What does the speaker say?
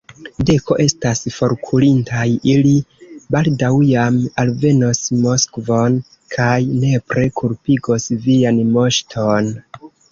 Deko estas forkurintaj, ili baldaŭ jam alvenos Moskvon kaj nepre kulpigos vian moŝton!